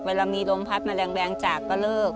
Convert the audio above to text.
เวลามีลมพัดแมลงจากก็เลิก